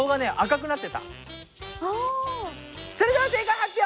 それでは正解発表！